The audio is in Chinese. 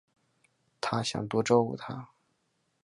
她想多照顾她